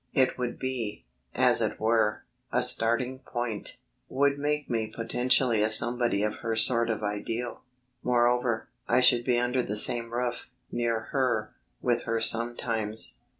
It would be, as it were, a starting point, would make me potentially a somebody of her sort of ideal. Moreover, I should be under the same roof, near her, with her sometimes.